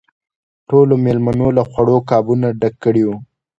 ټولو مېلمنو له خوړو قابونه ډک کړي وو.